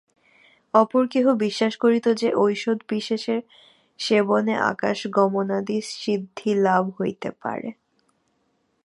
অপর কেহ বিশ্বাস করিত যে, ঔষধবিশেষের সেবনে আকাশ-গমনাদি সিদ্ধিলাভ হইতে পারে।